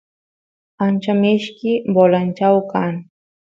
ancha mishki bolanchau kan